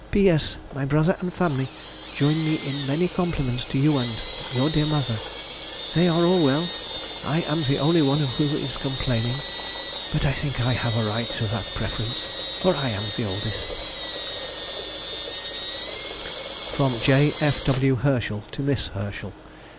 P.S.—My brother and family join me in many compliments to you and your dear mother. They are all well; I am the only one who is complaining, but I think I have a right to that preference, for I am the oldest. [Sidenote: 1823. Letter from J. F. W. Herschel.] FROM J. F. W. HERSCHEL TO MISS HERSCHEL.